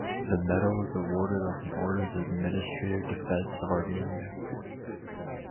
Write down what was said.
The medal is awarded on the orders of Ministry of Defense of Armenia.